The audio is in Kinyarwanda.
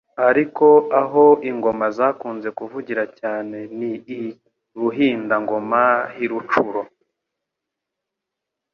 Ariko aho ingoma zakunze kuvugira cyane ni I Buhindangoma h'I Rucuro,